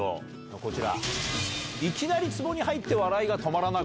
こちら。